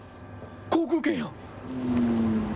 航空券や。